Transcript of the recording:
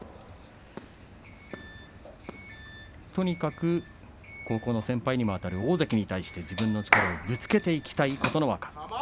とにかく高校の先輩にもあたる大関に対して自分の力をぶつけていきたい琴ノ若